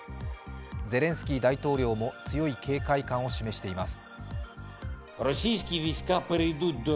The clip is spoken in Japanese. ゼレンスキー大統領も強い警戒感を示しています。